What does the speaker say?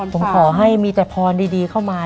ผมขอให้มีแต่พรดีเข้ามา